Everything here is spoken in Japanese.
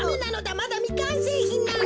まだみかんせいひんなの。